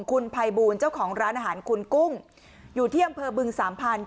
คุณภัยบูลเจ้าของร้านอาหารคุณกุ้งอยู่ที่อำเภอบึงสามพันธุ